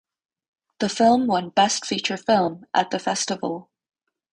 The film won Best Feature Film at the festival.